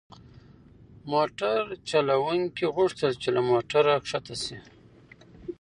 موټر چلونکي غوښتل چې له موټره کښته شي.